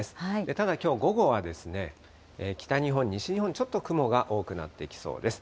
ただ、きょう午後は、北日本、西日本、ちょっと雲が多くなってきそうです。